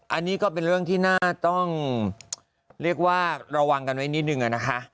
อันนี้ก็เป็นเรื่องที่น่าต้องเรียกว่าระวังกันไว้นิดนึงอะนะคะ